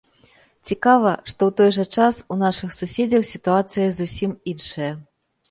Цікава, што ў той жа час у нашых суседзяў сітуацыя зусім іншая.